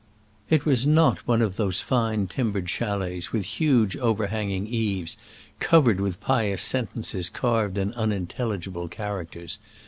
It was not one of those fine timbered chalets with huge overhanging eaves, covered with pious sentences carved in unintelligible characters.